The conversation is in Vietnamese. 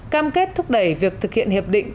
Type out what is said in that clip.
cam kết thúc đẩy việc thực hiện hiệp định